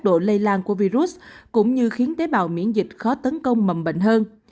độ lây lan của virus cũng như khiến tế bào miễn dịch khó tấn công mầm bệnh hơn